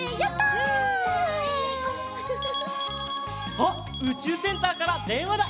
あっうちゅうセンターからでんわだ！